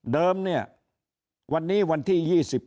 เดิมเนี่ยวันนี้วันที่๒๘